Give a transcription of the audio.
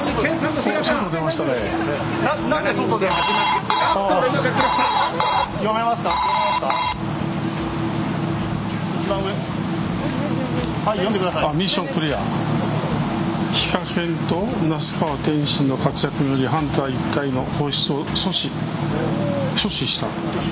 ＨＩＫＡＫＩＮと那須川天心の活躍によりハンター１体の放出を阻止した。